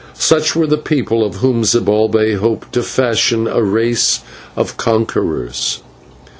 Such were the people of whom Zibalbay hoped to fashion a race of conquerors!